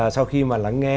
sau khi mà lắng nghe